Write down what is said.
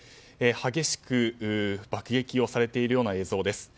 激しく爆撃されているような映像です。